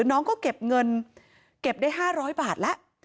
น้องก็เก็บเงินเก็บได้๕๐๐บาทแล้ว